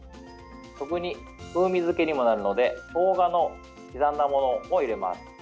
そこに風味付けにもなるのでしょうがの刻んだものを入れます。